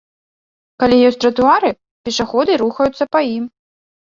Калі ёсць тратуары, пешаходы рухаюцца па ім.